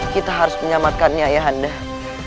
kita harus menyelamatkan nyai ratu laut